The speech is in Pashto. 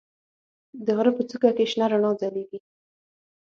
د غره په څوکه کې شنه رڼا ځلېږي.